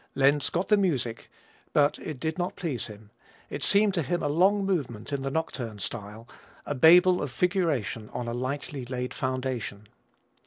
Lenz got the music, but it did not please him it seemed to him a long movement in the nocturne style, a Babel of figuration on a lightly laid foundation.